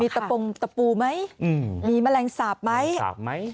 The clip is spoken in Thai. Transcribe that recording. มีตะปูไหมมีแมลงสาปไหม